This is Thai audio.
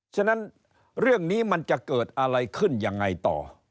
ฉะนั้นเรื่องนี้มันจะเกิดอะไรขึ้นยังไงต่อ